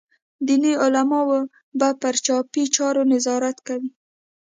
دیني عالمان به پر چاپي چارو نظارت کوي.